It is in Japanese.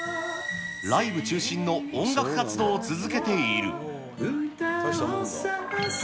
ライブ中心の音楽活動を続けている。